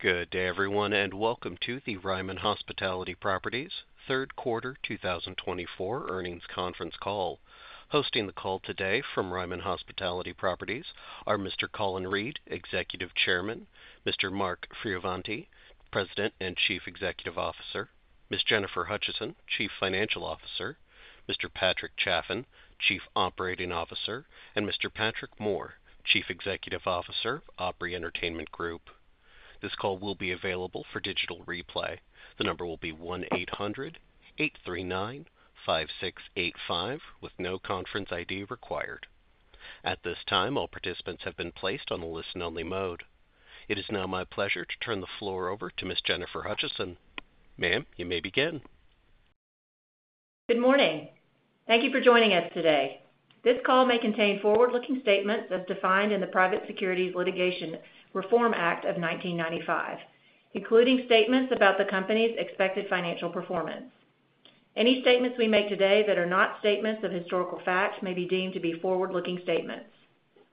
Good day, everyone, and welcome to the Ryman Hospitality Properties Third Quarter 2024 Earnings Conference Call. Hosting the call today from Ryman Hospitality Properties are Mr. Colin Reed, Executive Chairman, Mr. Mark Fioravanti, President and Chief Executive Officer, Ms. Jennifer Hutcheson, Chief Financial Officer, Mr. Patrick Chaffin, Chief Operating Officer, and Mr. Patrick Moore, Chief Executive Officer, Opry Entertainment Group. This call will be available for digital replay. The number will be 1-800-839-5685, with no conference ID required. At this time, all participants have been placed on a listen-only mode. It is now my pleasure to turn the floor over to Ms. Jennifer Hutcheson. Ma'am, you may begin. Good morning. Thank you for joining us today. This call may contain forward-looking statements as defined in the Private Securities Litigation Reform Act of 1995, including statements about the company's expected financial performance. Any statements we make today that are not statements of historical fact may be deemed to be forward-looking statements.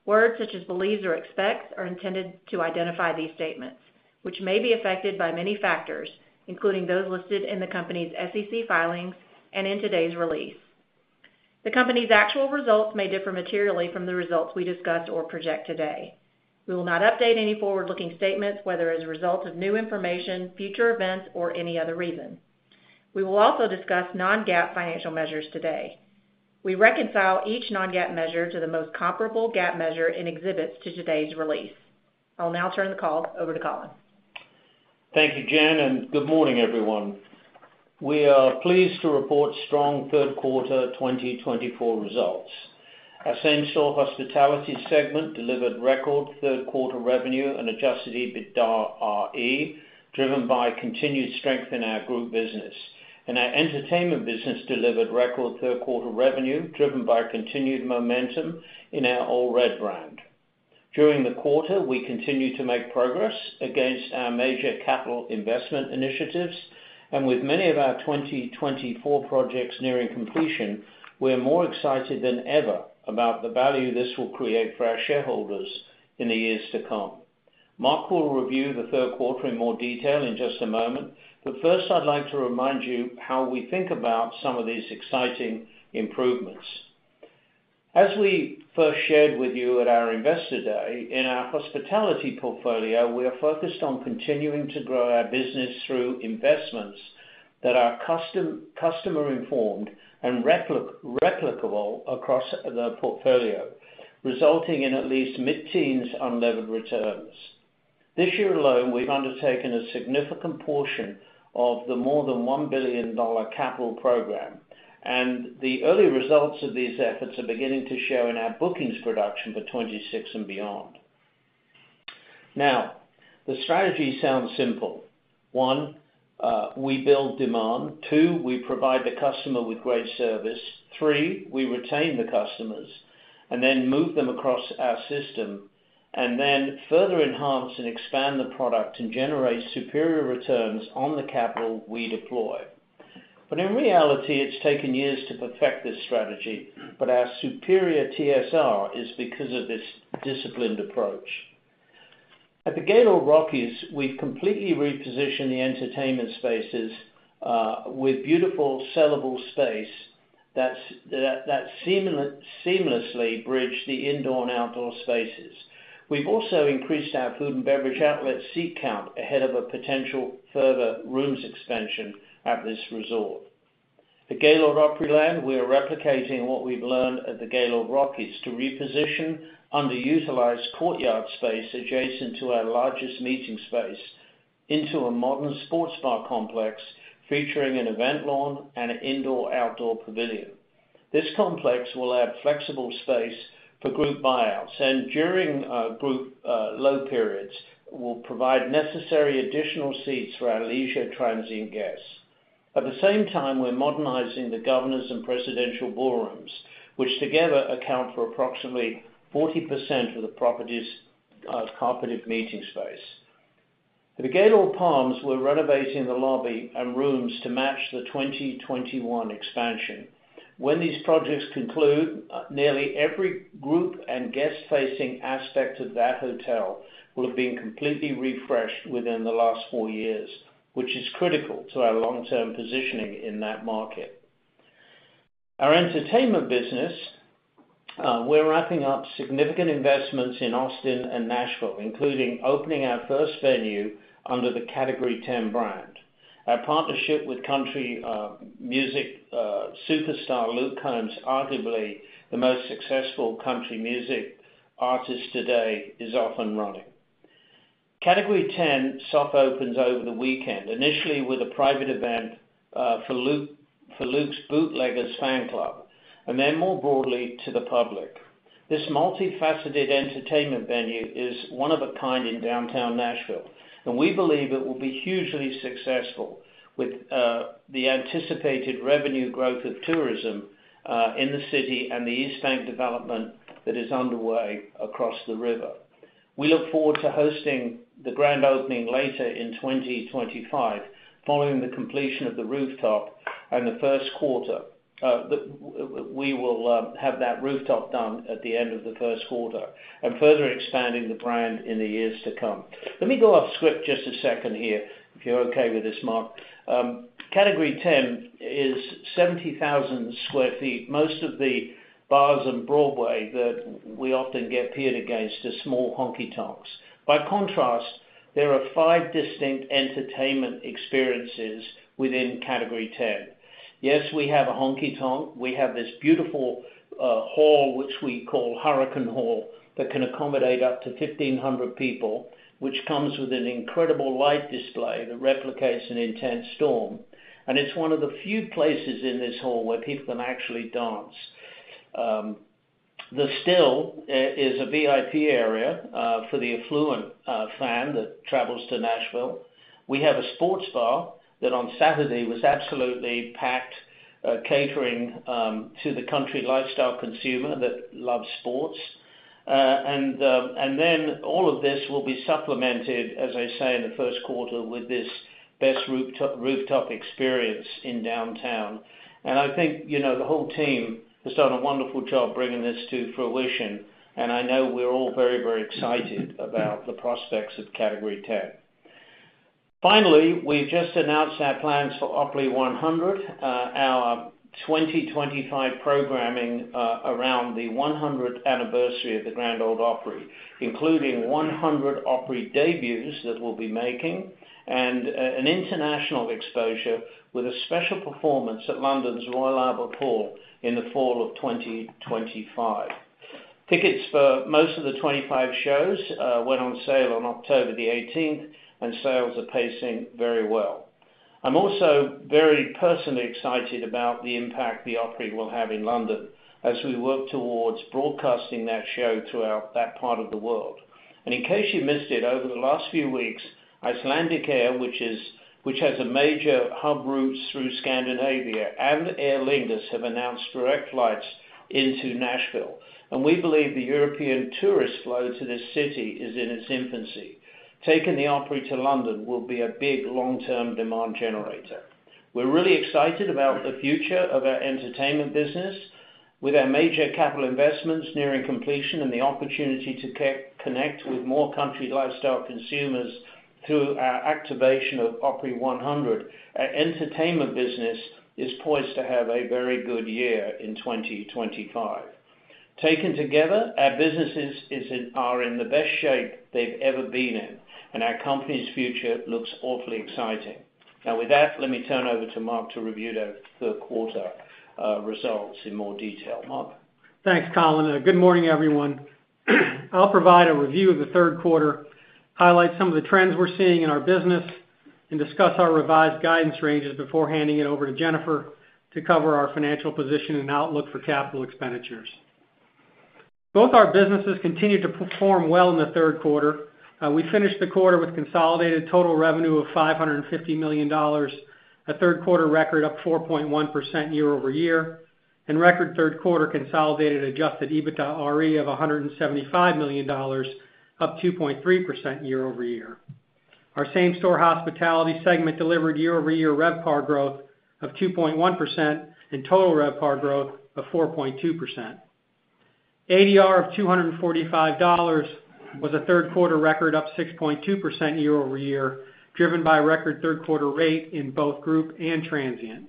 Words such as "believes" or "expects" are intended to identify these statements, which may be affected by many factors, including those listed in the company's SEC filings and in today's release. The company's actual results may differ materially from the results we discuss or project today. We will not update any forward-looking statements, whether as a result of new information, future events, or any other reason. We will also discuss non-GAAP financial measures today. We reconcile each non-GAAP measure to the most comparable GAAP measure and exhibits to today's release. I'll now turn the call over to Colin. Thank you, Jen, and good morning, everyone. We are pleased to report strong third quarter 2024 results. Our same-store hospitality segment delivered record third quarter revenue and Adjusted EBITDAre, driven by continued strength in our group business. And our entertainment business delivered record third quarter revenue, driven by continued momentum in our Ole Red brand. During the quarter, we continue to make progress against our major capital investment initiatives, and with many of our 2024 projects nearing completion, we are more excited than ever about the value this will create for our shareholders in the years to come. Mark will review the third quarter in more detail in just a moment, but first, I'd like to remind you how we think about some of these exciting improvements. As we first shared with you at our Investor Day, in our hospitality portfolio, we are focused on continuing to grow our business through investments that are customer-informed and replicable across the portfolio, resulting in at least mid-teens unlevered returns. This year alone, we've undertaken a significant portion of the more than $1 billion capital program, and the early results of these efforts are beginning to show in our bookings production for 2026 and beyond. Now, the strategy sounds simple. One, we build demand. Two, we provide the customer with great service. Three, we retain the customers and then move them across our system, and then further enhance and expand the product and generate superior returns on the capital we deploy. But in reality, it's taken years to perfect this strategy, but our superior TSR is because of this disciplined approach. At the Gaylord Rockies, we've completely repositioned the entertainment spaces with beautiful sellable space that seamlessly bridge the indoor and outdoor spaces. We've also increased our food and beverage outlet seat count ahead of a potential further rooms expansion at this resort. At Gaylord Opryland, we are replicating what we've learned at the Gaylord Rockies to reposition underutilized courtyard space adjacent to our largest meeting space into a modern sports bar complex featuring an event lawn and an indoor-outdoor pavilion. This complex will add flexible space for group buyouts and, during group low periods, will provide necessary additional seats for our leisure transient guests. At the same time, we're modernizing the Governor's and Presidential Ballrooms, which together account for approximately 40% of the property's carpeted meeting space. At the Gaylord Palms, we're renovating the lobby and rooms to match the 2021 expansion. When these projects conclude, nearly every group and guest-facing aspect of that hotel will have been completely refreshed within the last four years, which is critical to our long-term positioning in that market. Our entertainment business, we're wrapping up significant investments in Austin and Nashville, including opening our first venue under the Category 10 brand. Our partnership with country music superstar Luke Combs, arguably the most successful country music artist today, is off and running. Category 10 soft opens over the weekend, initially with a private event for Luke's Bootleggers Fan Club, and then more broadly to the public. This multifaceted entertainment venue is one of a kind in downtown Nashville, and we believe it will be hugely successful with the anticipated revenue growth of tourism in the city and the East Bank development that is underway across the river. We look forward to hosting the grand opening later in 2025, following the completion of the rooftop and the first quarter. We will have that rooftop done at the end of the first quarter and further expanding the brand in the years to come. Let me go off script just a second here, if you're okay with this, Mark. Category 10 is 70,000 sq ft, most of the bars and Broadway that we often get peered against are small honky tonks. By contrast, there are five distinct entertainment experiences within Category 10. Yes, we have a honky tonk. We have this beautiful hall, which we call Hurricane Hall, that can accommodate up to 1,500 people, which comes with an incredible light display that replicates an intense storm, and it's one of the few places in this hall where people can actually dance. The Still is a VIP area for the affluent fan that travels to Nashville. We have a sports bar that on Saturday was absolutely packed, catering to the country lifestyle consumer that loves sports. And then all of this will be supplemented, as I say, in the first quarter with this best rooftop experience in downtown. And I think the whole team has done a wonderful job bringing this to fruition, and I know we're all very, very excited about the prospects of Category 10. Finally, we've just announced our plans for Opry 100, our 2025 programming around the 100th anniversary of the Grand Ole Opry, including 100 Opry debuts that we'll be making, and an international exposure with a special performance at London's Royal Albert Hall in the fall of 2025. Tickets for most of the 2025 shows went on sale on October the 18th, and sales are pacing very well. I'm also very personally excited about the impact the Grand Ole Opry will have in London as we work towards broadcasting that show throughout that part of the world, and in case you missed it, over the last few weeks, Icelandair, which has a major hub route through Scandinavia, and Aer Lingus have announced direct flights into Nashville, and we believe the European tourist flow to this city is in its infancy. Taking the Grand Ole Opry to London will be a big long-term demand generator. We're really excited about the future of our entertainment business with our major capital investments nearing completion and the opportunity to connect with more country lifestyle consumers through our activation of Opry 100. Our entertainment business is poised to have a very good year in 2025. Taken together, our businesses are in the best shape they've ever been in, and our company's future looks awfully exciting. Now, with that, let me turn over to Mark to review the third quarter results in more detail. Mark. Thanks, Colin. Good morning, everyone. I'll provide a review of the third quarter, highlight some of the trends we're seeing in our business, and discuss our revised guidance ranges before handing it over to Jennifer to cover our financial position and outlook for capital expenditures. Both our businesses continue to perform well in the third quarter. We finished the quarter with consolidated total revenue of $550 million, a third quarter record up 4.1% year over year, and record third quarter consolidated Adjusted EBITDAre of $175 million, up 2.3% year over year. Our same-store hospitality segment delivered year over year RevPAR growth of 2.1% and total RevPAR growth of 4.2%. ADR of $245 was a third quarter record up 6.2% year over year, driven by record third quarter rate in both group and transient.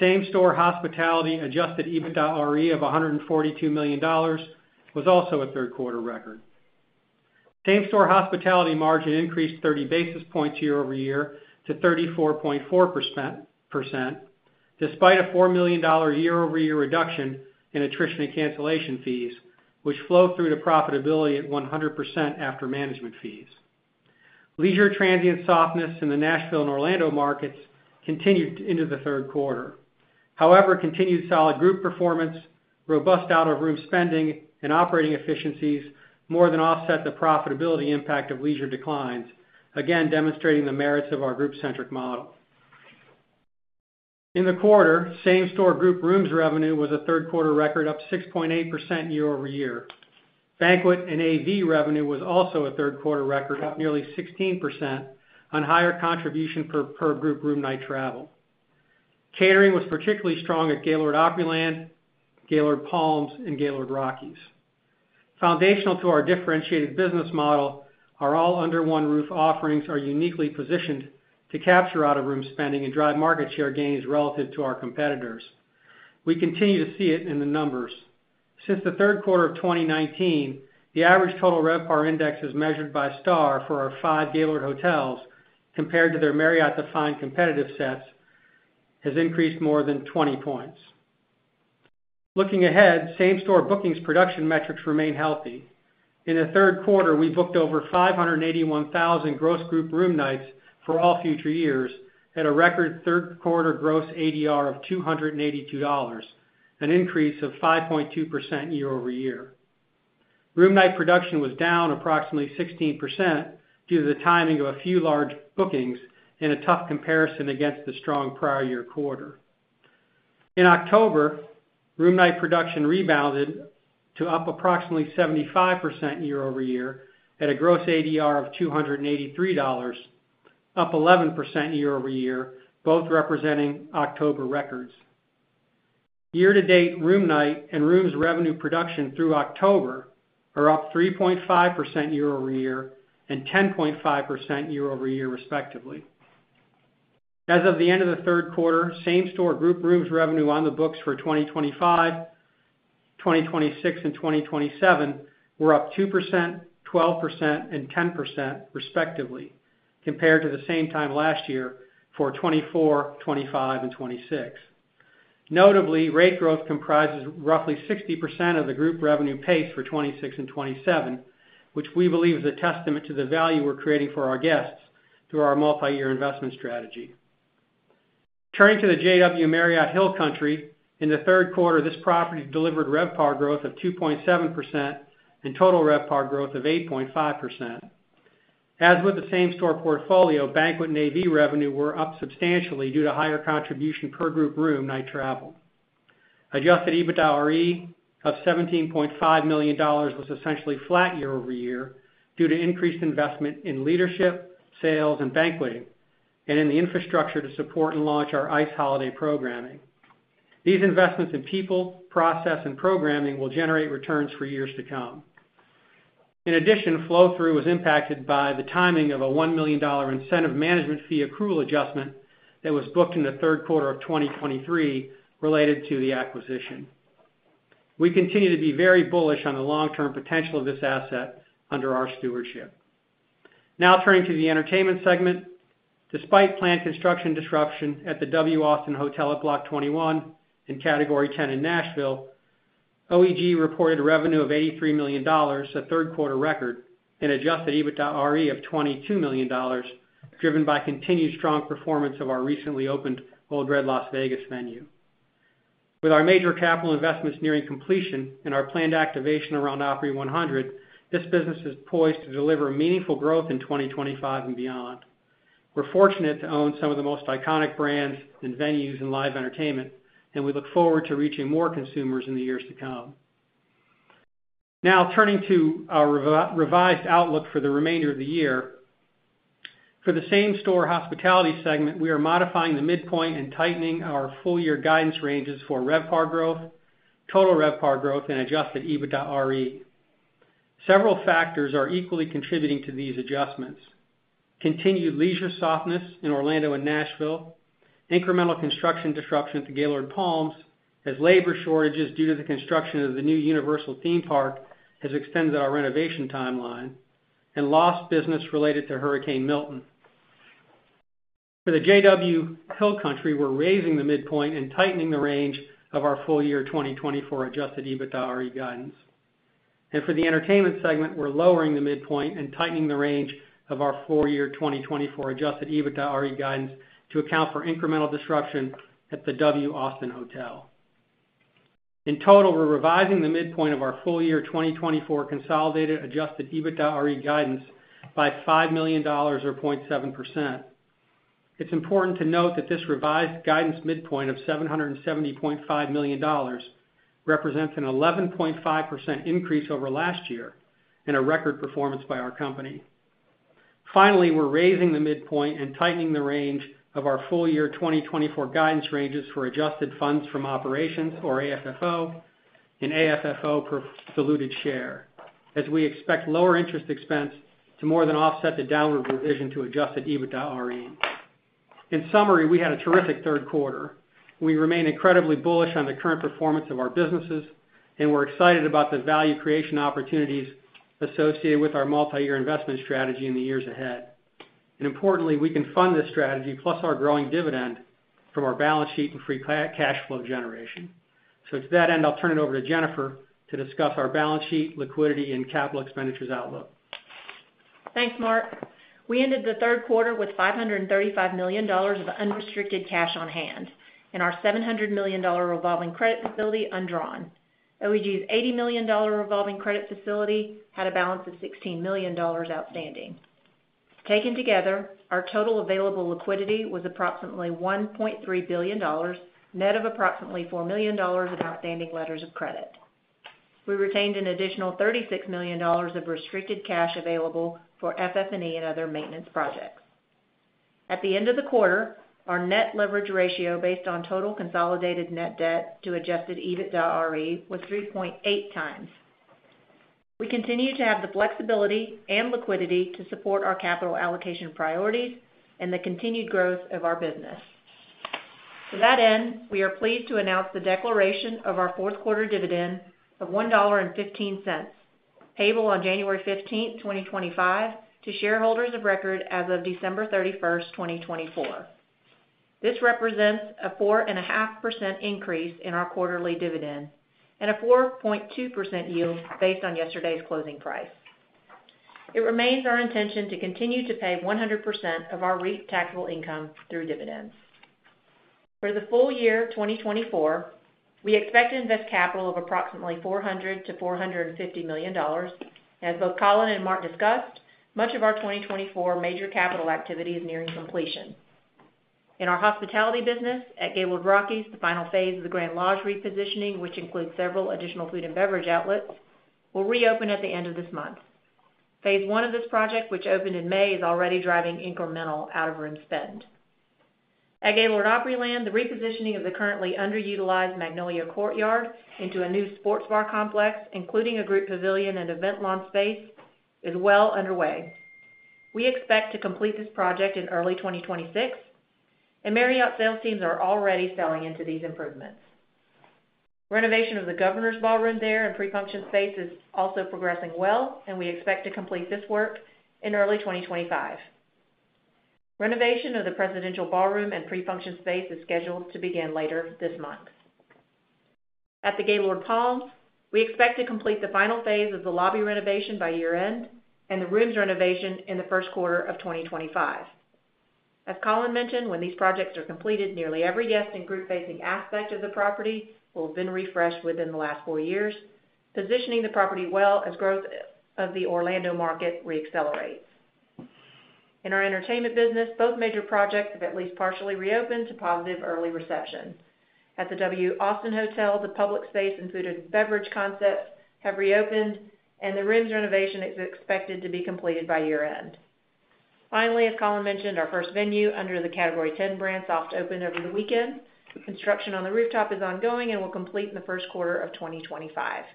Same-store hospitality Adjusted EBITDAre of $142 million was also a third quarter record. Same-store hospitality margin increased 30 basis points year over year to 34.4%, despite a $4 million year over year reduction in attrition and cancellation fees, which flowed through to profitability at 100% after management fees. Leisure transient softness in the Nashville and Orlando markets continued into the third quarter. However, continued solid group performance, robust out-of-room spending, and operating efficiencies more than offset the profitability impact of leisure declines, again demonstrating the merits of our group-centric model. In the quarter, same-store group rooms revenue was a third quarter record up 6.8% year over year. Banquet and AV revenue was also a third quarter record up nearly 16% on higher contribution per group room night travel. Catering was particularly strong at Gaylord Opryland, Gaylord Palms, and Gaylord Rockies. Foundational to our differentiated business model are all under one roof offerings are uniquely positioned to capture out-of-room spending and drive market share gains relative to our competitors. We continue to see it in the numbers. Since the third quarter of 2019, the average Total RevPAR index as measured by STR for our five Gaylord hotels, compared to their Marriott-defined competitive sets, has increased more than 20 points. Looking ahead, same-store bookings production metrics remain healthy. In the third quarter, we booked over 581,000 gross group room nights for all future years at a record third quarter gross ADR of $282, an increase of 5.2% year over year. Room night production was down approximately 16% due to the timing of a few large bookings in a tough comparison against the strong prior year quarter. In October, room night production rebounded to up approximately 75% year over year at a gross ADR of $283, up 11% year over year, both representing October records. Year-to-date room night and rooms revenue production through October are up 3.5% year over year and 10.5% year over year, respectively. As of the end of the third quarter, same-store group rooms revenue on the books for 2025, 2026, and 2027 were up 2%, 12%, and 10%, respectively, compared to the same time last year for 2024, 2025, and 2026. Notably, rate growth comprises roughly 60% of the group revenue pace for 2026 and 2027, which we believe is a testament to the value we're creating for our guests through our multi-year investment strategy. Turning to the JW Marriott Hill Country, in the third quarter, this property delivered RevPAR growth of 2.7% and Total RevPAR growth of 8.5%. As with the same-store portfolio, banquet and AV revenue were up substantially due to higher contribution per group room night travel. Adjusted EBITDAre of $17.5 million was essentially flat year over year due to increased investment in leadership, sales, and banqueting, and in the infrastructure to support and launch our ICE holiday programming. These investments in people, process, and programming will generate returns for years to come. In addition, flow-through was impacted by the timing of a $1 million incentive management fee accrual adjustment that was booked in the third quarter of 2023 related to the acquisition. We continue to be very bullish on the long-term potential of this asset under our stewardship. Now, turning to the entertainment segment, despite planned construction disruption at the W Austin Hotel at Block 21 and Category 10 in Nashville, OEG reported a revenue of $83 million, a third quarter record, and Adjusted EBITDAre of $22 million, driven by continued strong performance of our recently opened Ole Red Las Vegas venue. With our major capital investments nearing completion and our planned activation around Opry 100, this business is poised to deliver meaningful growth in 2025 and beyond. We're fortunate to own some of the most iconic brands and venues in live entertainment, and we look forward to reaching more consumers in the years to come. Now, turning to our revised outlook for the remainder of the year, for the same-store hospitality segment, we are modifying the midpoint and tightening our full-year guidance ranges for RevPAR growth, Total RevPAR growth, and Adjusted EBITDAre. Several factors are equally contributing to these adjustments: continued leisure softness in Orlando and Nashville, incremental construction disruption at the Gaylord Palms, as labor shortages due to the construction of the new Universal theme park have extended our renovation timeline, and lost business related to Hurricane Milton. For the JW Hill Country, we're raising the midpoint and tightening the range of our full-year 2024 Adjusted EBITDAre guidance, and for the entertainment segment, we're lowering the midpoint and tightening the range of our full-year 2024 Adjusted EBITDAre guidance to account for incremental disruption at the W Austin Hotel. In total, we're revising the midpoint of our full-year 2024 consolidated Adjusted EBITDAre guidance by $5 million or 0.7%. It's important to note that this revised guidance midpoint of $770.5 million represents an 11.5% increase over last year and a record performance by our company. Finally, we're raising the midpoint and tightening the range of our full-year 2024 guidance ranges for adjusted funds from operations, or AFFO, and AFFO per diluted share, as we expect lower interest expense to more than offset the downward revision to Adjusted EBITDAre. In summary, we had a terrific third quarter. We remain incredibly bullish on the current performance of our businesses, and we're excited about the value creation opportunities associated with our multi-year investment strategy in the years ahead. And importantly, we can fund this strategy plus our growing dividend from our balance sheet and free cash flow generation. So to that end, I'll turn it over to Jennifer to discuss our balance sheet, liquidity, and capital expenditures outlook. Thanks, Mark. We ended the third quarter with $535 million of unrestricted cash on hand and our $700 million revolving credit facility undrawn. OEG's $80 million revolving credit facility had a balance of $16 million outstanding. Taken together, our total available liquidity was approximately $1.3 billion, net of approximately $4 million of outstanding letters of credit. We retained an additional $36 million of restricted cash available for FF&E and other maintenance projects. At the end of the quarter, our net leverage ratio based on total consolidated net debt to Adjusted EBITDAre was 3.8 times. We continue to have the flexibility and liquidity to support our capital allocation priorities and the continued growth of our business. To that end, we are pleased to announce the declaration of our fourth quarter dividend of $1.15, payable on January 15th, 2025, to shareholders of record as of December 31st, 2024. This represents a 4.5% increase in our quarterly dividend and a 4.2% yield based on yesterday's closing price. It remains our intention to continue to pay 100% of our taxable income through dividends. For the full year 2024, we expect to invest capital of approximately $400-$450 million. As both Colin and Mark discussed, much of our 2024 major capital activity is nearing completion. In our hospitality business at Gaylord Rockies, the final phase of the Grand Lodge repositioning, which includes several additional food and beverage outlets, will reopen at the end of this month. Phase one of this project, which opened in May, is already driving incremental out-of-room spend. At Gaylord Opryland, the repositioning of the currently underutilized Magnolia Courtyard into a new sports bar complex, including a group pavilion and event lawn space, is well underway. We expect to complete this project in early 2026, and Marriott sales teams are already selling into these improvements. Renovation of the Governor's Ballroom there and pre-function space is also progressing well, and we expect to complete this work in early 2025. Renovation of the Presidential Ballroom and pre-function space is scheduled to begin later this month. At the Gaylord Palms, we expect to complete the final phase of the lobby renovation by year-end and the rooms renovation in the first quarter of 2025. As Colin mentioned, when these projects are completed, nearly every guest and group-facing aspect of the property will have been refreshed within the last four years, positioning the property well as growth of the Orlando market re-accelerates. In our entertainment business, both major projects have at least partially reopened to positive early reception. At the W Austin Hotel, the public space and food and beverage concepts have reopened, and the rooms renovation is expected to be completed by year-end. Finally, as Colin mentioned, our first venue under the Category 10 brand soft opened over the weekend. Construction on the rooftop is ongoing and will complete in the first quarter of 2025.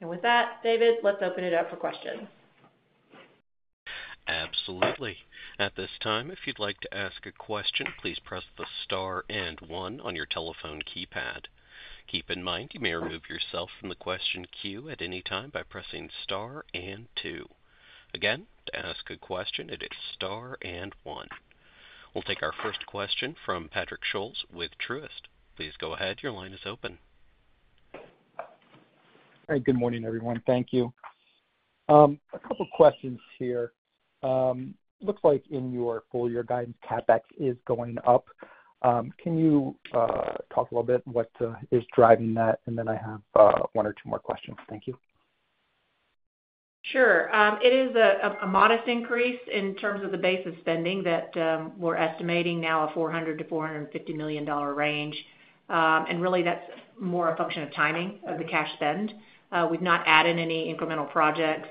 And with that, David, let's open it up for questions. Absolutely. At this time, if you'd like to ask a question, please press the star and one on your telephone keypad. Keep in mind you may remove yourself from the question queue at any time by pressing star and two. Again, to ask a question, it is star and one. We'll take our first question from Patrick Scholes with Truist. Please go ahead. Your line is open. Hey, good morning, everyone. Thank you. A couple of questions here. Looks like in your full-year guidance, CapEx is going up. Can you talk a little bit what is driving that? And then I have one or two more questions. Thank you. Sure. It is a modest increase in terms of the base of spending that we're estimating, now, a $400-$450 million range. And really, that's more a function of timing of the cash spend. We've not added any incremental projects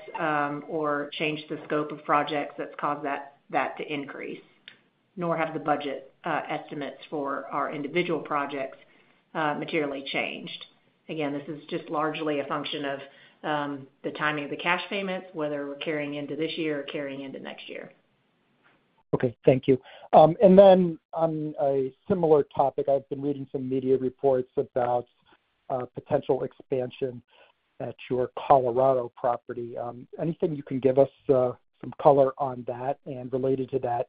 or changed the scope of projects that's caused that to increase, nor have the budget estimates for our individual projects materially changed. Again, this is just largely a function of the timing of the cash payments, whether we're carrying into this year or carrying into next year. Okay. Thank you. And then on a similar topic, I've been reading some media reports about potential expansion at your Colorado property. Anything you can give us some color on that? And related to that,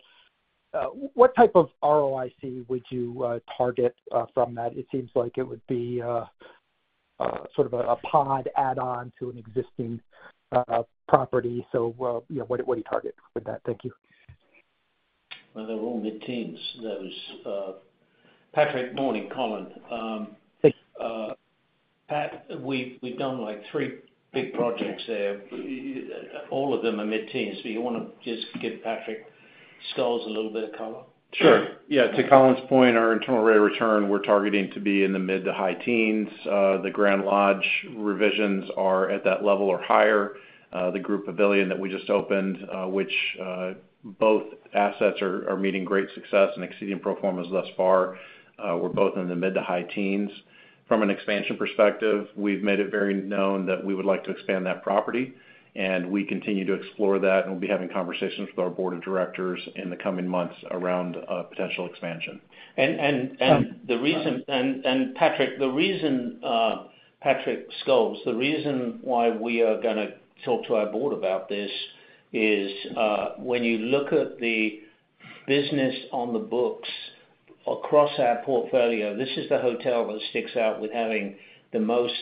what type of ROIC would you target from that? It seems like it would be sort of a pod add-on to an existing property. So what do you target with that? Thank you. They're all mid-teens, those. Patrick, morning, Colin. Thank you. Pat, we've done three big projects there. All of them are mid-teens. Do you want to just give Patrick Scholes a little bit of color? Sure. Yeah. To Colin's point, our internal rate of return, we're targeting to be in the mid to high teens. The Grand Lodge revisions are at that level or higher. The group pavilion that we just opened, which both assets are meeting great success and exceeding performance thus far, we're both in the mid to high teens. From an expansion perspective, we've made it very known that we would like to expand that property, and we continue to explore that, and we'll be having conversations with our board of directors in the coming months around potential expansion. Patrick Scholes, the reason why we are going to talk to our board about this is when you look at the business on the books across our portfolio, this is the hotel that sticks out with having the most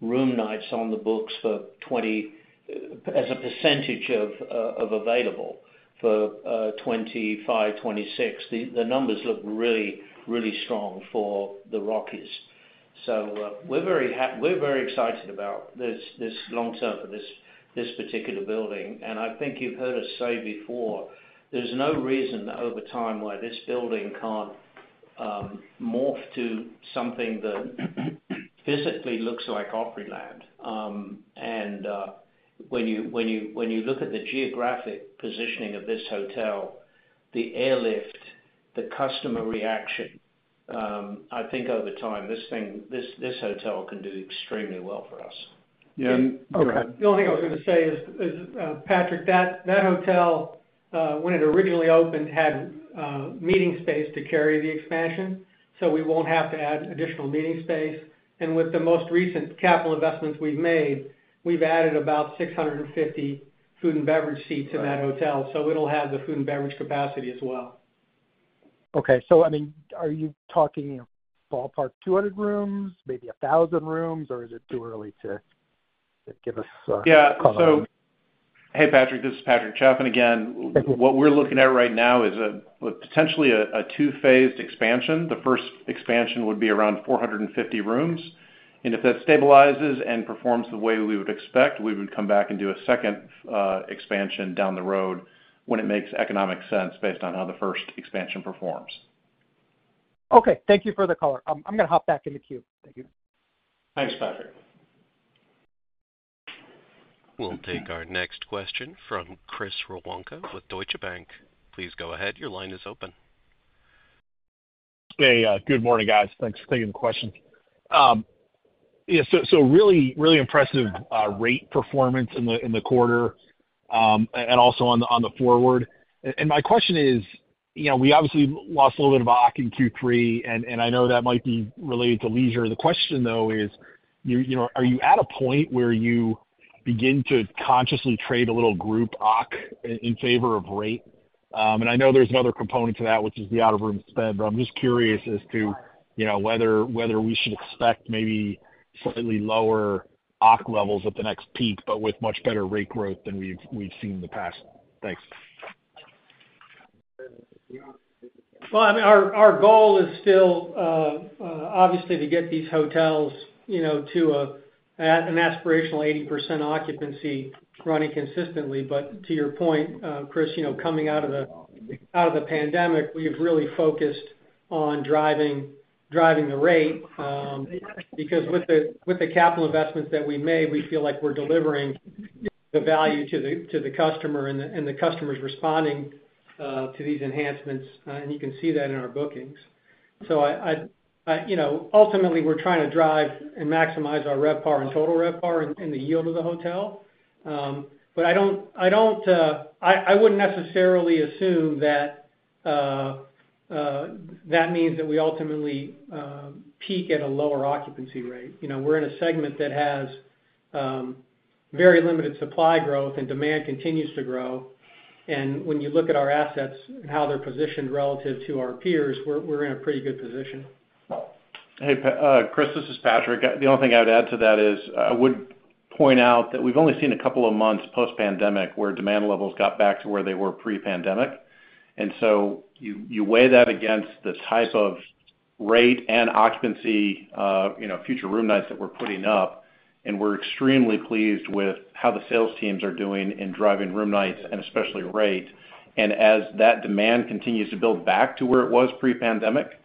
room nights on the books as a percentage of available for 2025, 2026. The numbers look really, really strong for the Rockies. So we're very excited about this long term for this particular building. I think you've heard us say before, there's no reason over time why this building can't morph to something that physically looks like Opryland. When you look at the geographic positioning of this hotel, the airlift, the customer reaction, I think over time, this hotel can do extremely well for us. Yeah. Okay. The only thing I was going to say is, Patrick, that hotel, when it originally opened, had meeting space to carry the expansion, so we won't have to add additional meeting space. And with the most recent capital investments we've made, we've added about 650 food and beverage seats in that hotel, so it'll have the food and beverage capacity as well. Okay. So I mean, are you talking ballpark 200 rooms, maybe 1,000 rooms, or is it too early to give us color on that? Yeah. So hey, Patrick, this is Patrick Chaffin. Again, what we're looking at right now is potentially a two-phased expansion. The first expansion would be around 450 rooms, and if that stabilizes and performs the way we would expect, we would come back and do a second expansion down the road when it makes economic sense based on how the first expansion performs. Okay. Thank you for the color. I'm going to hop back in the queue. Thank you. Thanks, Patrick. We'll take our next question from Chris Woronka with Deutsche Bank. Please go ahead. Your line is open. Hey, good morning, guys. Thanks for taking the question. Yeah, so really, really impressive rate performance in the quarter and also on the forward. And my question is, we obviously lost a little bit of OC in Q3, and I know that might be related to leisure. The question, though, is, are you at a point where you begin to consciously trade a little group OC in favor of rate? And I know there's another component to that, which is the out-of-room spend, but I'm just curious as to whether we should expect maybe slightly lower OC levels at the next peak, but with much better rate growth than we've seen in the past. Thanks. I mean, our goal is still, obviously, to get these hotels to an aspirational 80% occupancy running consistently. But to your point, Chris, coming out of the pandemic, we've really focused on driving the rate because with the capital investments that we've made, we feel like we're delivering the value to the customer and the customer's responding to these enhancements. And you can see that in our bookings. So ultimately, we're trying to drive and maximize our RevPAR and Total RevPAR and the yield of the hotel. But I wouldn't necessarily assume that that means that we ultimately peak at a lower occupancy rate. We're in a segment that has very limited supply growth, and demand continues to grow. And when you look at our assets and how they're positioned relative to our peers, we're in a pretty good position. Hey, Chris, this is Patrick. The only thing I would add to that is I would point out that we've only seen a couple of months post-pandemic where demand levels got back to where they were pre-pandemic. And so you weigh that against the type of rate and occupancy, future room nights that we're putting up, and we're extremely pleased with how the sales teams are doing in driving room nights and especially rate. And as that demand continues to build back to where it was pre-pandemic,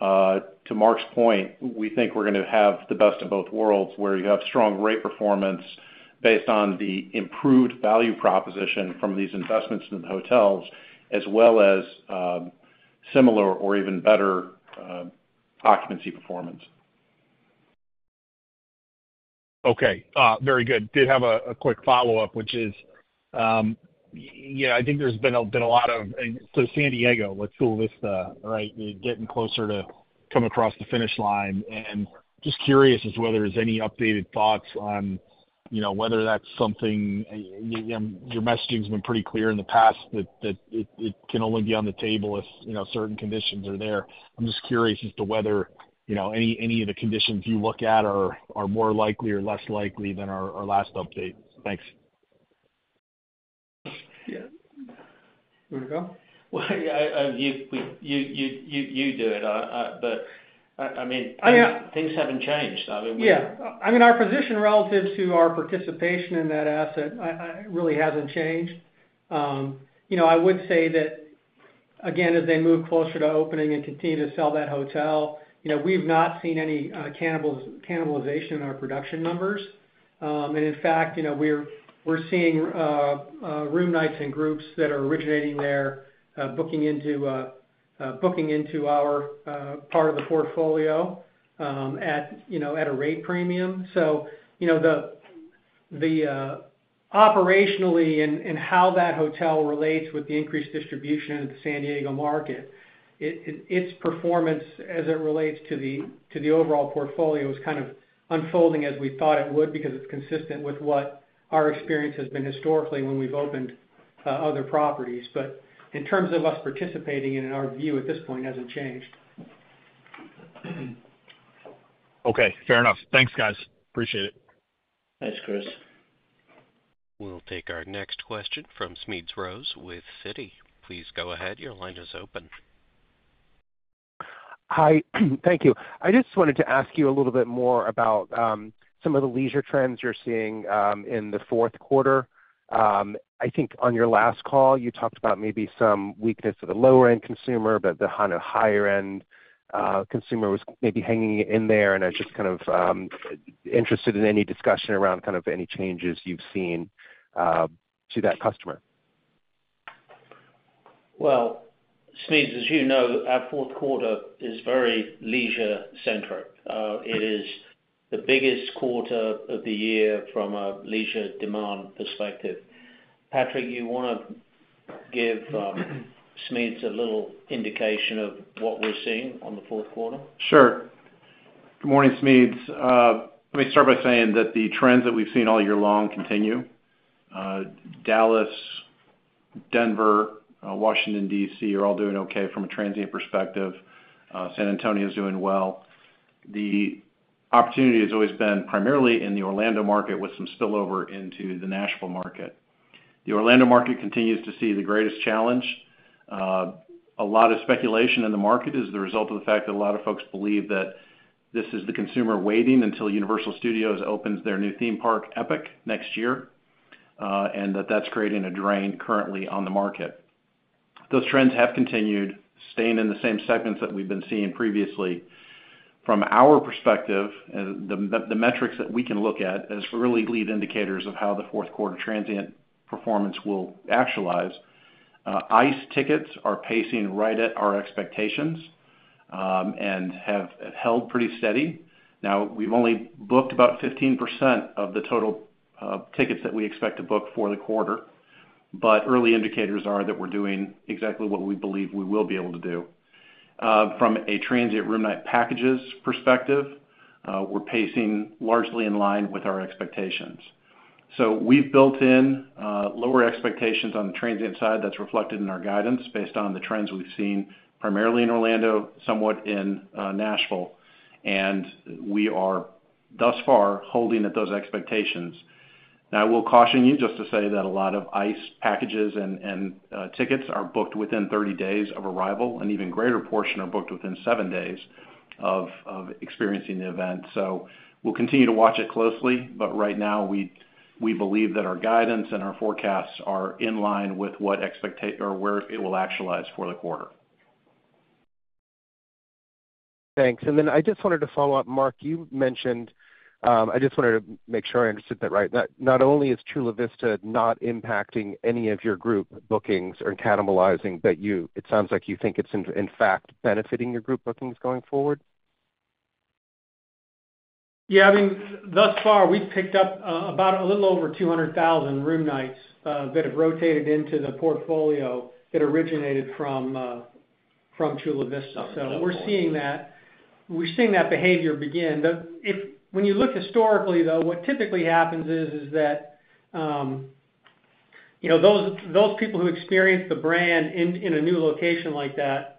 to Mark's point, we think we're going to have the best of both worlds where you have strong rate performance based on the improved value proposition from these investments in the hotels, as well as similar or even better occupancy performance. Okay. Very good. I did have a quick follow-up, which is, yeah, I think there's been a lot of so San Diego getting closer to crossing the finish line, and just curious as to whether there's any updated thoughts on whether that's something your messaging has been pretty clear in the past that it can only be on the table if certain conditions are there. I'm just curious as to whether any of the conditions you look at are more likely or less likely than our last update. Thanks. Yeah. Here we go. Well, you do it. But I mean, things haven't changed. Yeah. I mean, our position relative to our participation in that asset really hasn't changed. I would say that, again, as they move closer to opening and continue to sell that hotel, we've not seen any cannibalization in our production numbers. And in fact, we're seeing room nights and groups that are originating there booking into our part of the portfolio at a rate premium. So operationally and how that hotel relates with the increased distribution into the San Diego market, its performance as it relates to the overall portfolio is kind of unfolding as we thought it would because it's consistent with what our experience has been historically when we've opened other properties. But in terms of us participating in, our view at this point hasn't changed. Okay. Fair enough. Thanks, guys. Appreciate it. Thanks, Chris. We'll take our next question from Smedes Rose with Citi. Please go ahead. Your line is open. Hi. Thank you. I just wanted to ask you a little bit more about some of the leisure trends you're seeing in the fourth quarter. I think on your last call, you talked about maybe some weakness of the lower-end consumer, but the kind of higher-end consumer was maybe hanging in there. And I was just kind of interested in any discussion around kind of any changes you've seen to that customer. Smedes, as you know, our fourth quarter is very leisure-centric. It is the biggest quarter of the year from a leisure demand perspective. Patrick, you want to give Smedes a little indication of what we're seeing on the fourth quarter? Sure. Good morning, Smedes. Let me start by saying that the trends that we've seen all year long continue. Dallas, Denver, Washington, D.C. are all doing okay from a transient perspective. San Antonio is doing well. The opportunity has always been primarily in the Orlando market with some spillover into the Nashville market. The Orlando market continues to see the greatest challenge. A lot of speculation in the market is the result of the fact that a lot of folks believe that this is the consumer waiting until Universal Studios opens their new theme park, Epic, next year, and that that's creating a drain currently on the market. Those trends have continued, staying in the same segments that we've been seeing previously. From our perspective, the metrics that we can look at as really lead indicators of how the fourth quarter transient performance will actualize. ICE tickets are pacing right at our expectations and have held pretty steady. Now, we've only booked about 15% of the total tickets that we expect to book for the quarter, but early indicators are that we're doing exactly what we believe we will be able to do. From a transient room night packages perspective, we're pacing largely in line with our expectations. So we've built in lower expectations on the transient side. That's reflected in our guidance based on the trends we've seen primarily in Orlando, somewhat in Nashville, and we are thus far holding at those expectations. Now, I will caution you just to say that a lot of ICE packages and tickets are booked within 30 days of arrival, and an even greater portion are booked within seven days of experiencing the event. So we'll continue to watch it closely, but right now, we believe that our guidance and our forecasts are in line with what expectation or where it will actualize for the quarter. Thanks. And then I just wanted to follow up. Mark, you mentioned I just wanted to make sure I understood that right. Not only is Chula Vista not impacting any of your group bookings or cannibalizing, but it sounds like you think it's, in fact, benefiting your group bookings going forward. Yeah. I mean, thus far, we've picked up about a little over 200,000 room nights that have rotated into the portfolio that originated from Chula Vista. So we're seeing that behavior begin. When you look historically, though, what typically happens is that those people who experience the brand in a new location like that,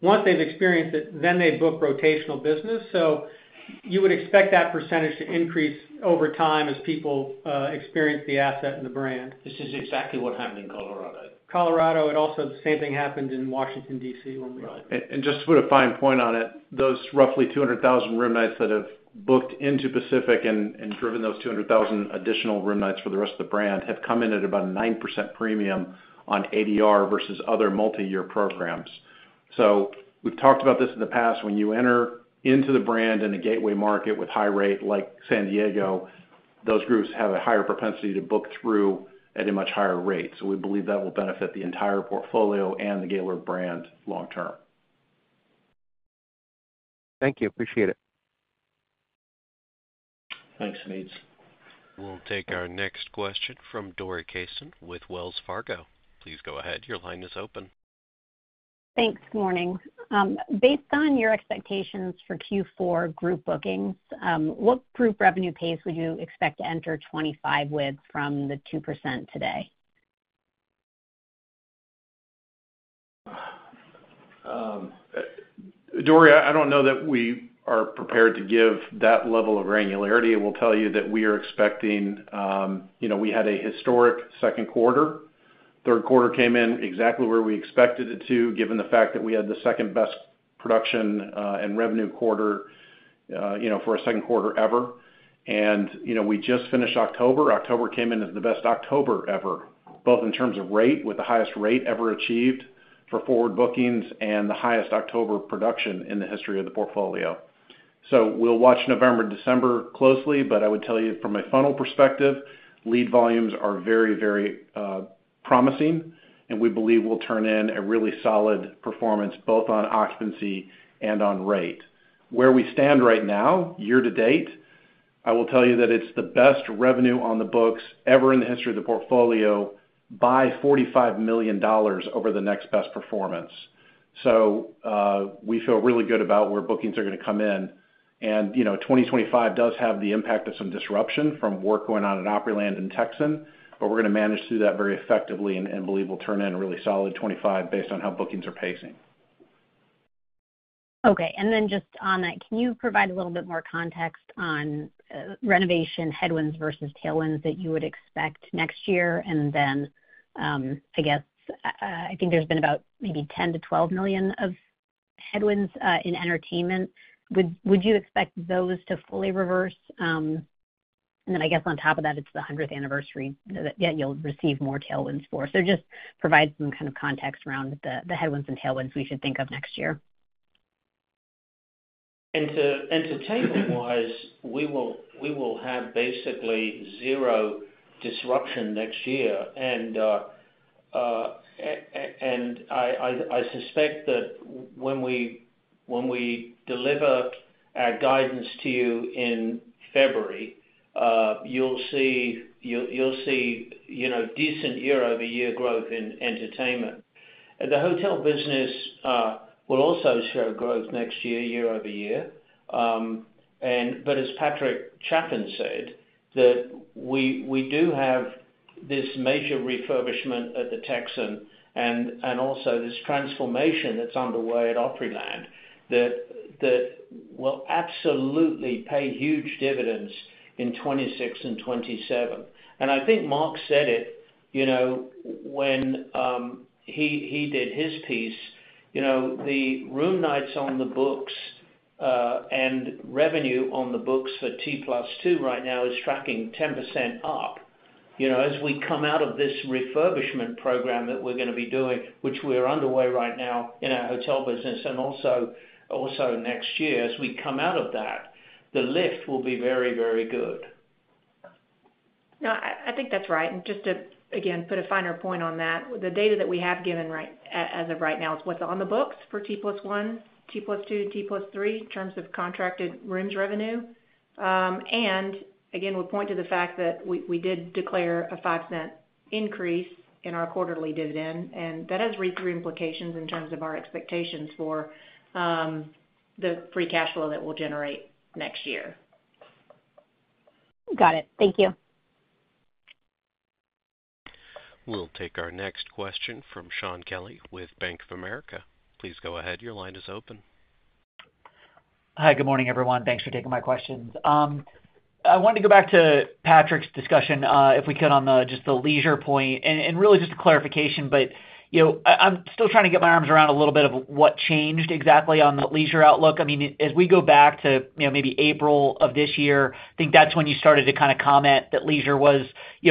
once they've experienced it, then they book rotational business. So you would expect that percentage to increase over time as people experience the asset and the brand. This is exactly what happened in Colorado. Colorado. And also, the same thing happened in Washington, D.C., when we. Right. And just to put a fine point on it, those roughly 200,000 room nights that have booked into Pacific and driven those 200,000 additional room nights for the rest of the brand have come in at about a 9% premium on ADR versus other multi-year programs. So we've talked about this in the past. When you enter into the brand in a gateway market with high rate like San Diego, those groups have a higher propensity to book through at a much higher rate. So we believe that will benefit the entire portfolio and the Gaylord brand long term. Thank you. Appreciate it. Thanks, Smedes. We'll take our next question from Dori Killeen with Wells Fargo. Please go ahead. Your line is open. Thanks. Good morning. Based on your expectations for Q4 group bookings, what group revenue pace would you expect to enter 2025 with from the 2% today? Dori, I don't know that we are prepared to give that level of granularity. I will tell you that we are expecting we had a historic second quarter. Third quarter came in exactly where we expected it to, given the fact that we had the second best production and revenue quarter for a second quarter ever. And we just finished October. October came in as the best October ever, both in terms of rate, with the highest rate ever achieved for forward bookings, and the highest October production in the history of the portfolio. So we'll watch November, December closely. But I would tell you, from a funnel perspective, lead volumes are very, very promising, and we believe we'll turn in a really solid performance both on occupancy and on rate. Where we stand right now, year to date, I will tell you that it's the best revenue on the books ever in the history of the portfolio by $45 million over the next best performance. So we feel really good about where bookings are going to come in. And 2025 does have the impact of some disruption from work going on at Opryland and Texan, but we're going to manage through that very effectively and believe we'll turn in a really solid 2025 based on how bookings are pacing. Okay. And then just on that, can you provide a little bit more context on renovation headwinds versus tailwinds that you would expect next year? And then, I guess, I think there's been about maybe $10 million-$12 million of headwinds in entertainment. Would you expect those to fully reverse? And then, I guess, on top of that, it's the 100th anniversary that you'll receive more tailwinds for. So just provide some kind of context around the headwinds and tailwinds we should think of next year. Entertainment-wise, we will have basically zero disruption next year, and I suspect that when we deliver our guidance to you in February, you'll see decent year-over-year growth in entertainment. The hotel business will also show growth next year, year-over-year, but as Patrick Chaffin said, that we do have this major refurbishment at the Texan and also this transformation that's underway at Opryland that will absolutely pay huge dividends in 2026 and 2027, and I think Mark said it when he did his piece. The room nights on the books and revenue on the books for T+2 right now is tracking 10% up. As we come out of this refurbishment program that we're going to be doing, which we are underway right now in our hotel business and also next year, as we come out of that, the lift will be very, very good. No, I think that's right. And just to, again, put a finer point on that, the data that we have given as of right now is what's on the books for T+1, T+2, T+3 in terms of contracted rooms revenue. And again, we'll point to the fact that we did declare a 5% increase in our quarterly dividend, and that has reasonable implications in terms of our expectations for the free cash flow that we'll generate next year. Got it. Thank you. We'll take our next question from Shaun Kelley with Bank of America. Please go ahead. Your line is open. Hi. Good morning, everyone. Thanks for taking my questions. I wanted to go back to Patrick's discussion, if we could, on just the leisure point, and really just a clarification, but I'm still trying to get my arms around a little bit of what changed exactly on the leisure outlook. I mean, as we go back to maybe April of this year, I think that's when you started to kind of comment that leisure was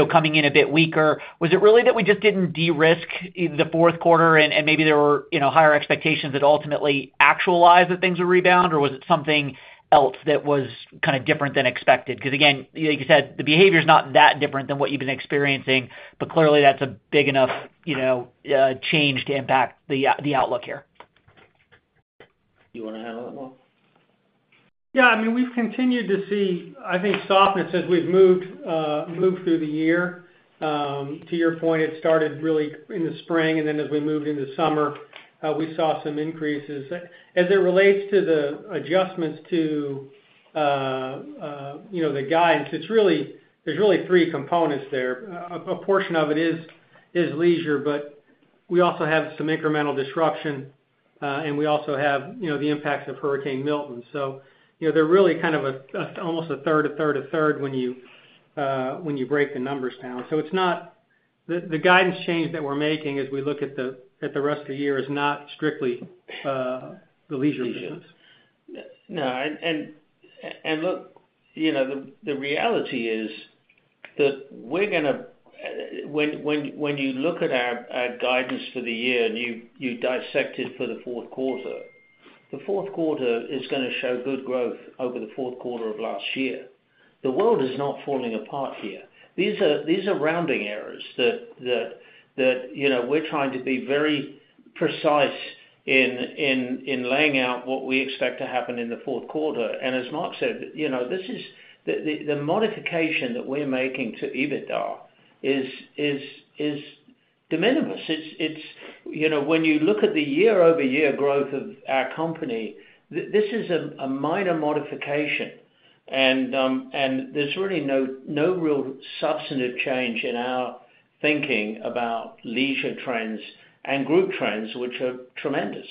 coming in a bit weaker. Was it really that we just didn't de-risk the fourth quarter and maybe there were higher expectations that ultimately actualized that things were rebound, or was it something else that was kind of different than expected? Because again, like you said, the behavior is not that different than what you've been experiencing, but clearly that's a big enough change to impact the outlook here. You want to handle that, Mark? Yeah. I mean, we've continued to see, I think, softness as we've moved through the year. To your point, it started really in the spring, and then as we moved into summer, we saw some increases. As it relates to the adjustments to the guidance, there's really three components there. A portion of it is leisure, but we also have some incremental disruption, and we also have the impacts of Hurricane Milton. So they're really kind of almost a third, a third, a third when you break the numbers down. So the guidance change that we're making as we look at the rest of the year is not strictly the leisure business. Leisure. No. And look, the reality is that we're going to when you look at our guidance for the year and you dissect it for the fourth quarter, the fourth quarter is going to show good growth over the fourth quarter of last year. The world is not falling apart here. These are rounding errors that we're trying to be very precise in laying out what we expect to happen in the fourth quarter. And as Mark said, this is the modification that we're making to EBITDA is de minimis. When you look at the year-over-year growth of our company, this is a minor modification, and there's really no real substantive change in our thinking about leisure trends and group trends, which are tremendous.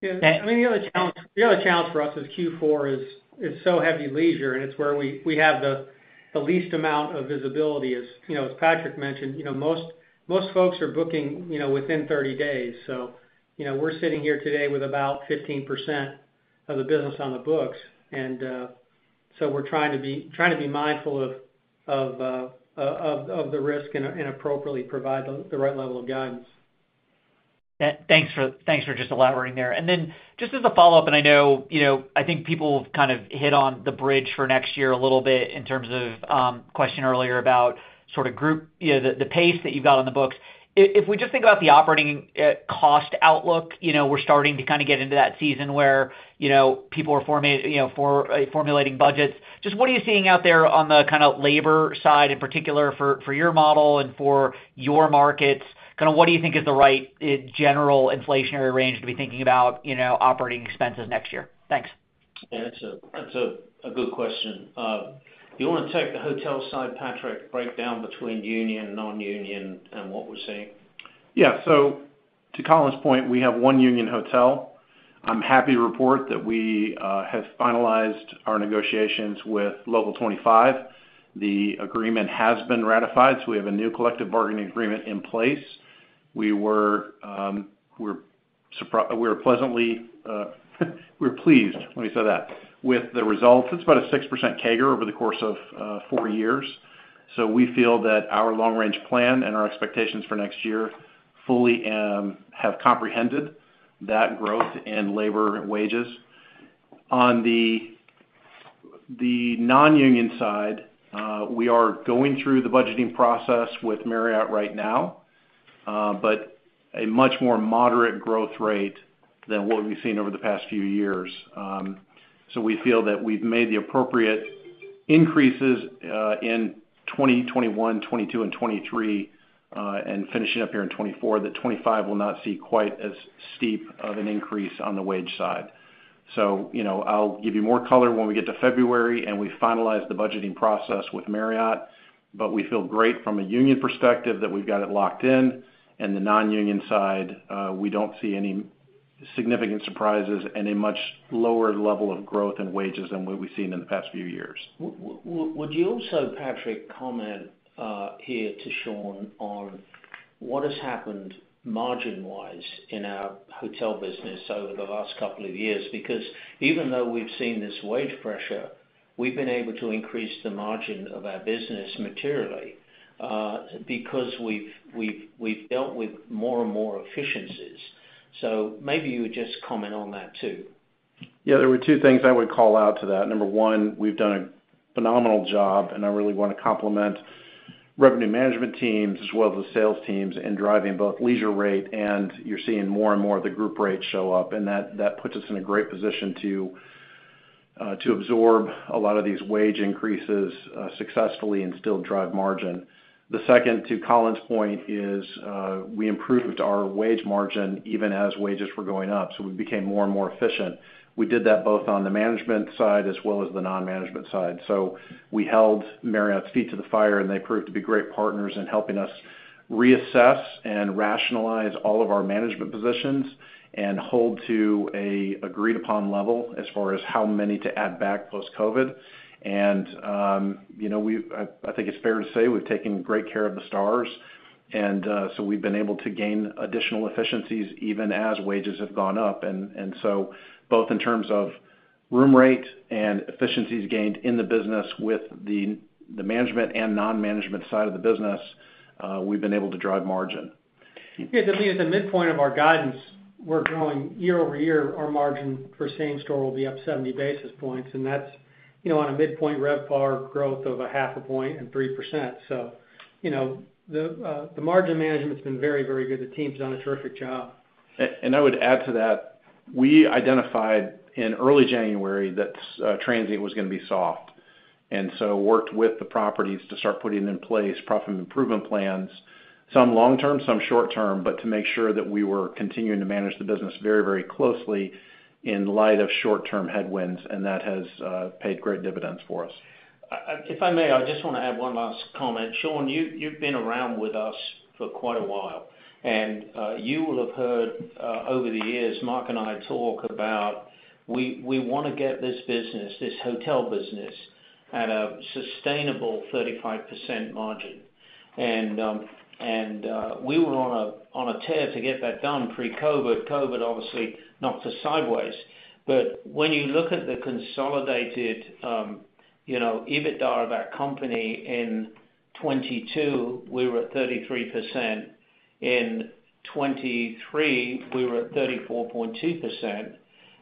Yeah. I mean, the other challenge for us is Q4 is so heavy leisure, and it's where we have the least amount of visibility. As Patrick mentioned, most folks are booking within 30 days. So we're sitting here today with about 15% of the business on the books. And so we're trying to be mindful of the risk and appropriately provide the right level of guidance. Thanks for just elaborating there. And then just as a follow-up, and I know I think people have kind of hit on the bridge for next year a little bit in terms of the question earlier about sort of the pace that you've got on the books. If we just think about the operating cost outlook, we're starting to kind of get into that season where people are formulating budgets. Just what are you seeing out there on the kind of labor side in particular for your model and for your markets? Kind of what do you think is the right general inflationary range to be thinking about operating expenses next year? Thanks. Yeah. That's a good question. Do you want to take the hotel side, Patrick, break down between union, non-union, and what we're seeing? Yeah. So to Colin's point, we have one union hotel. I'm happy to report that we have finalized our negotiations with Local 25. The agreement has been ratified, so we have a new collective bargaining agreement in place. We were pleased, let me say that, with the results. It's about a 6% CAGR over the course of four years. So we feel that our long-range plan and our expectations for next year fully have comprehended that growth in labor and wages. On the non-union side, we are going through the budgeting process with Marriott right now, but a much more moderate growth rate than what we've seen over the past few years. So we feel that we've made the appropriate increases in 2021, 2022, and 2023, and finishing up here in 2024, that 2025 will not see quite as steep of an increase on the wage side. So I'll give you more color when we get to February and we finalize the budgeting process with Marriott, but we feel great from a union perspective that we've got it locked in. And the non-union side, we don't see any significant surprises and a much lower level of growth in wages than what we've seen in the past few years. Would you also, Patrick, comment here to Shaun on what has happened margin-wise in our hotel business over the last couple of years? Because even though we've seen this wage pressure, we've been able to increase the margin of our business materially because we've dealt with more and more efficiencies. So maybe you would just comment on that too. Yeah. There were two things I would call out to that. Number one, we've done a phenomenal job, and I really want to compliment revenue management teams as well as the sales teams in driving both leisure rate, and you're seeing more and more of the group rates show up. And that puts us in a great position to absorb a lot of these wage increases successfully and still drive margin. The second, to Colin's point, is we improved our wage margin even as wages were going up. So we became more and more efficient. We did that both on the management side as well as the non-management side. So we held Marriott's feet to the fire, and they proved to be great partners in helping us reassess and rationalize all of our management positions and hold to an agreed-upon level as far as how many to add back post-COVID. And I think it's fair to say we've taken great care of the stars. And so we've been able to gain additional efficiencies even as wages have gone up. And so both in terms of room rate and efficiencies gained in the business with the management and non-management side of the business, we've been able to drive margin. Yeah. To me, as a midpoint of our guidance, we're growing year over year. Our margin for same store will be up 70 basis points, and that's on a midpoint RevPAR growth of 0.5%-3%. So the margin management's been very, very good. The team's done a terrific job. And I would add to that. We identified in early January that transient was going to be soft. And so we worked with the properties to start putting in place profit improvement plans, some long-term, some short-term, but to make sure that we were continuing to manage the business very, very closely in light of short-term headwinds. And that has paid great dividends for us. If I may, I just want to add one last comment. Shaun, you've been around with us for quite a while, and you will have heard over the years Mark and I talk about we want to get this business, this hotel business, at a sustainable 35% margin. And we were on a tear to get that done pre-COVID. COVID, obviously, knocked us sideways. But when you look at the consolidated EBITDA of our company in 2022, we were at 33%. In 2023, we were at 34.2%.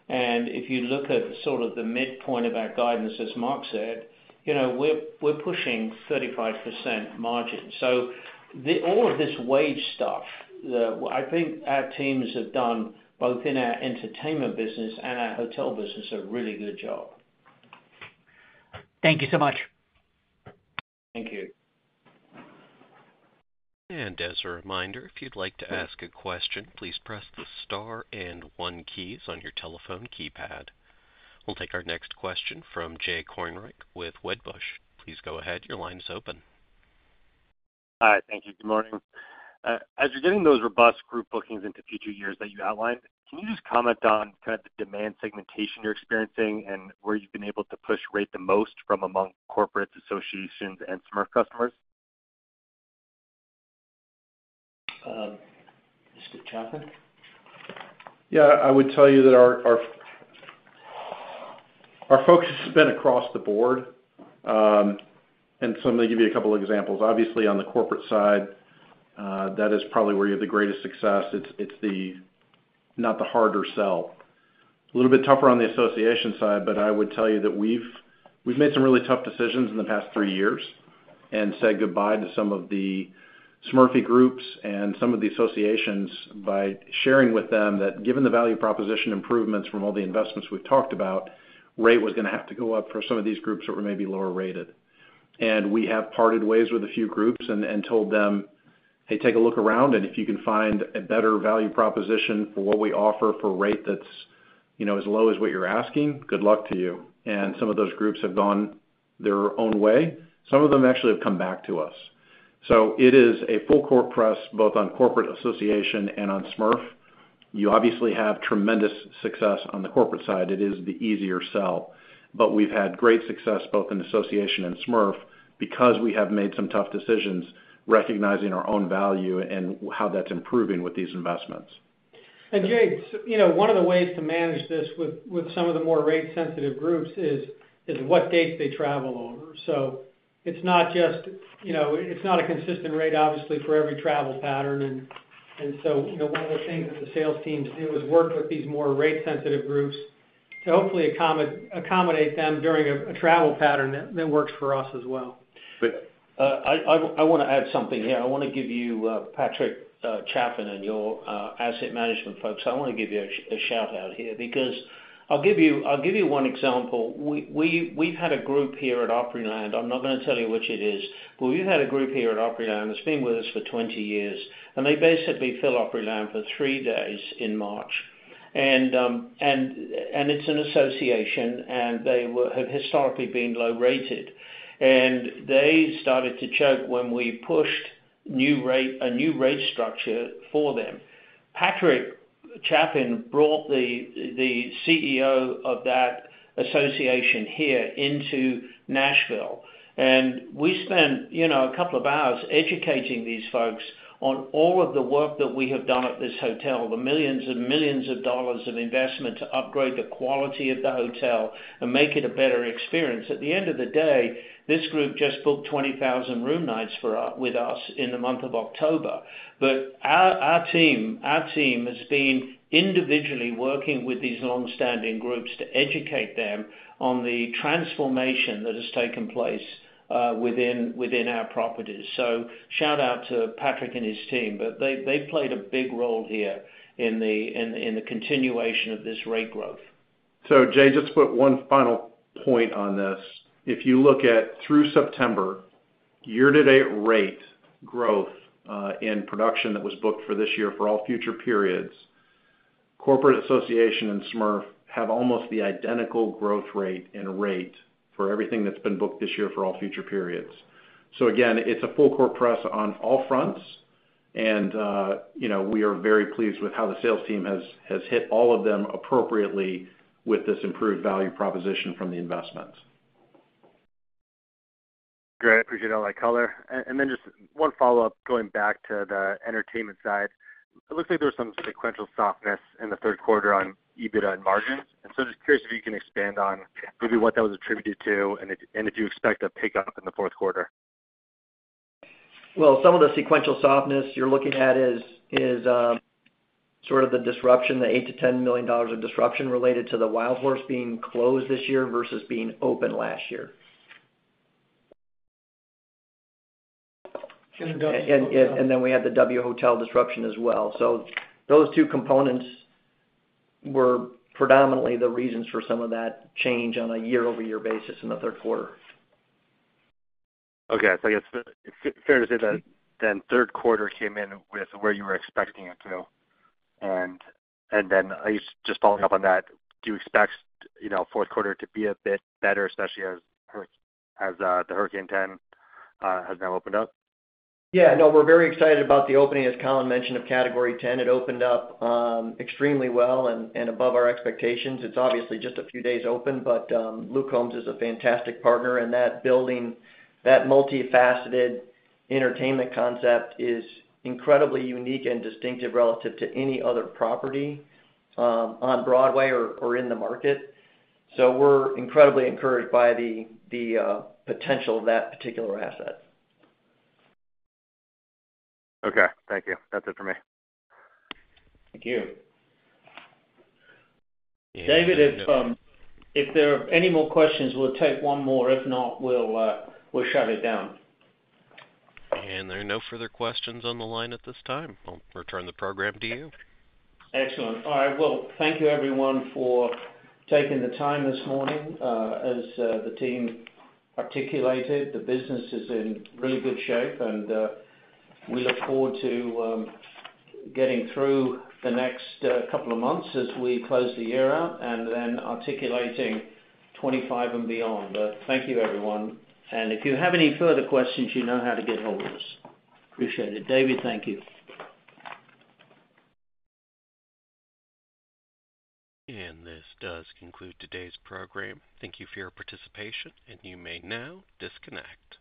And if you look at sort of the midpoint of our guidance, as Mark said, we're pushing 35% margin. So all of this wage stuff, I think our teams have done both in our entertainment business and our hotel business a really good job. Thank you so much. Thank you. As a reminder, if you'd like to ask a question, please press the star and one keys on your telephone keypad. We'll take our next question from Jay Kornreich with Wedbush. Please go ahead. Your line is open. Hi. Thank you. Good morning. As you're getting those robust group bookings into future years that you outlined, can you just comment on kind of the demand segmentation you're experiencing and where you've been able to push rate the most from among corporates, associations, and some of our customers? Mr. Chaffin? Yeah. I would tell you that our focus has been across the board. And so I'm going to give you a couple of examples. Obviously, on the corporate side, that is probably where you have the greatest success. It's not the harder sell. A little bit tougher on the association side, but I would tell you that we've made some really tough decisions in the past three years and said goodbye to some of the SMERF groups and some of the associations by sharing with them that given the value proposition improvements from all the investments we've talked about, rate was going to have to go up for some of these groups that were maybe lower rated. And we have parted ways with a few groups and told them, "Hey, take a look around, and if you can find a better value proposition for what we offer for rate that's as low as what you're asking, good luck to you." And some of those groups have gone their own way. Some of them actually have come back to us. So it is a full court press both on corporate, association and on SMERF. You obviously have tremendous success on the corporate side. It is the easier sell. But we've had great success both in association and SMERF because we have made some tough decisions recognizing our own value and how that's improving with these investments. Jay, one of the ways to manage this with some of the more rate-sensitive groups is what dates they travel over. So it's not just a consistent rate, obviously, for every travel pattern. One of the things that the sales teams do is work with these more rate-sensitive groups to hopefully accommodate them during a travel pattern that works for us as well. But I want to add something here. I want to give you, Patrick Chaffin and your asset management folks, I want to give you a shout-out here because I'll give you one example. We've had a group here at Opryland. I'm not going to tell you which it is, but we've had a group here at Opryland that's been with us for 20 years, and they basically fill Opryland for three days in March. And it's an association, and they have historically been low-rated. And they started to choke when we pushed a new rate structure for them. Patrick Chaffin brought the CEO of that association here into Nashville. And we spent a couple of hours educating these folks on all of the work that we have done at this hotel, the millions and millions of dollars of investment to upgrade the quality of the hotel and make it a better experience. At the end of the day, this group just booked 20,000 room nights with us in the month of October. But our team has been individually working with these long-standing groups to educate them on the transformation that has taken place within our properties. So shout-out to Patrick and his team, but they've played a big role here in the continuation of this rate growth. So Jay, just to put one final point on this. If you look at through September year-to-date rate growth in production that was booked for this year for all future periods, corporate, association, and SMERF have almost the identical growth rate and rate for everything that's been booked this year for all future periods. So again, it's a full court press on all fronts, and we are very pleased with how the sales team has hit all of them appropriately with this improved value proposition from the investments. Great. I appreciate all that color. And then just one follow-up going back to the entertainment side. It looks like there was some sequential softness in the third quarter on EBITDA and margins. And so I'm just curious if you can expand on maybe what that was attributed to and if you expect a pickup in the fourth quarter? Well, some of the sequential softness you're looking at is sort of the disruption, the $8-$10 million of disruption related to the Wildhorse Saloon being closed this year versus being open last year. And then we had the W Hotel disruption as well. So those two components were predominantly the reasons for some of that change on a year-over-year basis in the third quarter. Okay. So, I guess it's fair to say that the third quarter came in where you were expecting it to. And then, just following up on that, do you expect the fourth quarter to be a bit better, especially as the Category 10 has now opened up? Yeah. No, we're very excited about the opening, as Colin mentioned, of Category 10. It opened up extremely well and above our expectations. It's obviously just a few days open, but Luke Combs is a fantastic partner, and that multifaceted entertainment concept is incredibly unique and distinctive relative to any other property on Broadway or in the market. So we're incredibly encouraged by the potential of that particular asset. Okay. Thank you. That's it for me. Thank you. David, if there are any more questions, we'll take one more. If not, we'll shut it down. There are no further questions on the line at this time. I'll return the program to you. Excellent. All right. Well, thank you, everyone, for taking the time this morning. As the team articulated, the business is in really good shape, and we look forward to getting through the next couple of months as we close the year out and then articulating 2025 and beyond. But thank you, everyone. And if you have any further questions, you know how to get hold of us. Appreciate it. David, thank you. This does conclude today's program. Thank you for your participation, and you may now disconnect.